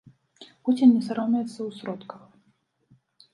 Пуцін не саромеецца ў сродках.